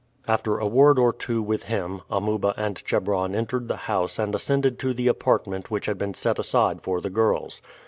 After a word or two with him, Amuba and Chebron entered the house and ascended to the apartment which had been set aside for the girls.